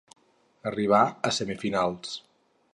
Arribà a semifinals.